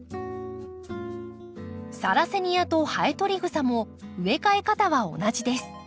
サラセニアとハエトリグサも植え替え方は同じです。